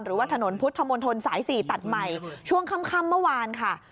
หรือว่าถนนพุทธมนตรสาย๔ตัดใหม่ช่วงค่ำเมื่อวานค่ะ